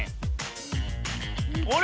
あれ？